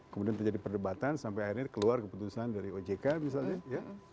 kemudian terjadi perdebatan sampai akhirnya keluar keputusan dari ojk misalnya ya